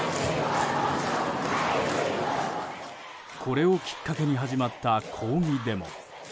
これをきっかけに始まった抗議デモ。